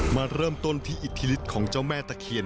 มาเริ่มต้นที่อิทธิฤทธิของเจ้าแม่ตะเคียน